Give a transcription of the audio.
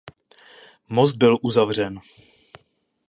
Most byl uzavřen.